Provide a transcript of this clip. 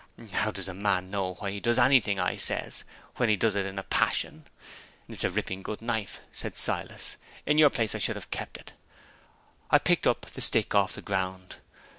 'How does a man know why he does anything,' I says, 'when he does it in a passion?' 'It's a ripping good knife,' says Silas; 'in your place, I should have kept it.' I picked up the stick off the ground.